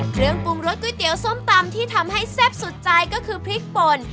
เครื่องปรุงรสก๋วยเตี๋ยวส้มตำที่ทำให้แซ่บสุดใจก็คือพริกป่น